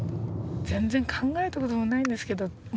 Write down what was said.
全然考えた事もないんですけどま